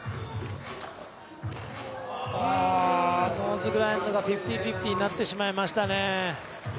ノーズグラインドが５０−５０になってしまいましたね。